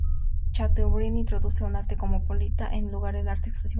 Chateaubriand introduce un arte cosmopolita en lugar de un arte exclusivamente nacional.